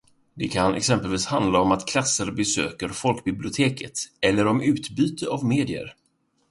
Det kan exempelvis handla om att klasser besöker folkbiblioteket eller om utbyte av medier.